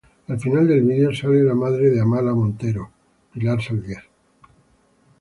Al final del vídeo sale la madre de Amaia Montero, Pilar Saldías.